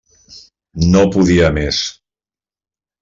No podia més.